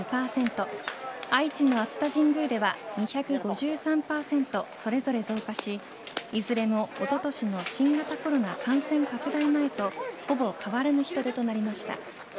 愛知の熱田神宮では２５３％それぞれ増加しいずれも、おととしの新型コロナ感染拡大前とほぼ変わらぬ人出となりました。